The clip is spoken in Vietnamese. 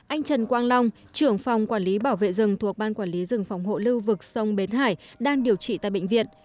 anh trần quang long trưởng phòng quản lý bảo vệ rừng thuộc ban quản lý rừng phòng hộ lưu vực sông bến hải đang điều trị tại bệnh viện